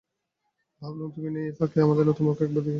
ভাবলুম তুমি নেই এই ফাঁকে আমাদের নতুন বউকে একবার দেখে আসি গে।